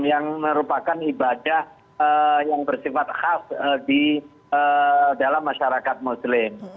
yang merupakan ibadah yang bersifat khas di dalam masyarakat muslim